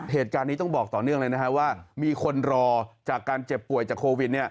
เหตุการณ์นี้ต้องบอกต่อเนื่องเลยนะฮะว่ามีคนรอจากการเจ็บป่วยจากโควิด